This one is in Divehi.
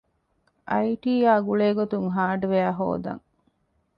އައިޓީއާ ގުޅޭގޮތުން ހާރޑްވެއަރ ހޯދަން